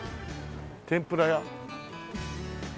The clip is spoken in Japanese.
天ぷら屋？